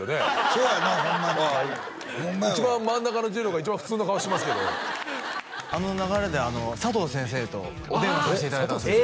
そうやなホンマに一番真ん中のじろうが一番普通の顔してますけどあの流れで佐藤先生とお電話させていただいたんですよ